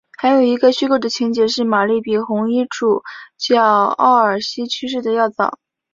还有一个虚构的情节是玛丽比红衣主教沃尔西去世的要早。